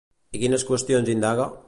I quines qüestions indaga?